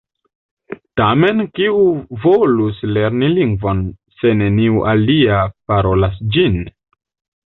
Tamen, kiu volus lerni lingvon, se neniu alia parolas ĝin?